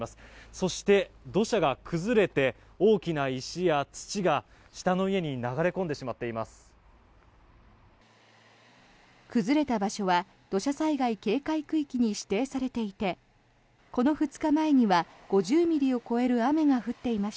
そして、土砂が崩れて大きな石や土が下の家に流れ込んでしまっています。